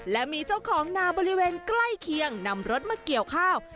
และมีเจ้าของนาบริเวณใกล้เคียงนำรถมาเกี่ยวข้าว